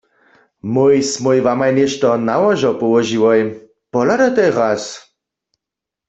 Mój smój wamaj něšto na łožo połožiłoj, pohladajtaj raz.